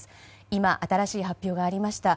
今、新しい発表がありました。